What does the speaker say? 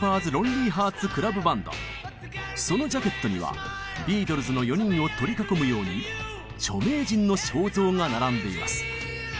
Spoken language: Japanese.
そのジャケットにはビートルズの４人を取り囲むように著名人の肖像が並んでいます。